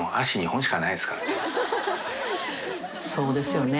そうですよね。